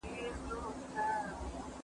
څوک د طبي غلطیو مسوولیت مني؟